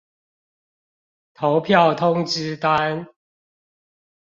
投票通知單